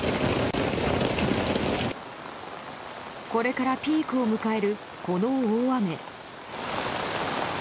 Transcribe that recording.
これからピークを迎えるこの大雨。